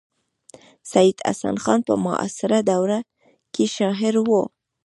سید حسن خان په معاصره دوره کې شاعر و.